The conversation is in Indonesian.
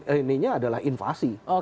ini adalah invasi